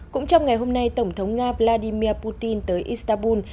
cũng trong ngày hôm nay tổng thống nga vladimir putin tới istanbul